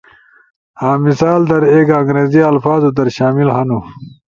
مثال در، ایک انگریزی الفاظو در شامل ہنو